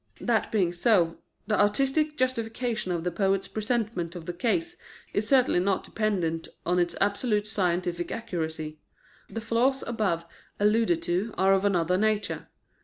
That being so, the artistic justification of the poet's presentment of the case is certainly not dependent on its absolute scientific accuracy. The flaws above alluded to are of another nature.